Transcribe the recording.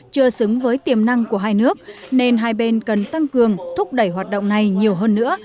chưa xứng với tiềm năng của hai nước nên hai bên cần tăng cường thúc đẩy hoạt động này nhiều hơn nữa